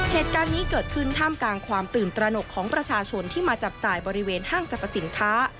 เหตุการณ์นี้เกิดขึ้นท่ามกลางความตื่นตระหนกของประชาชนที่มาจับจ่ายบริเวณห้างสรรพสินค้า